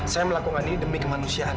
saya melakukan ini demi kemanusiaan